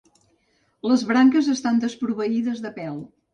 Les branques estan desproveïdes de pèl.